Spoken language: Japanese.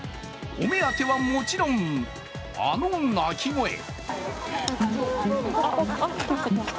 お目当てはもちろん、あの鳴き声。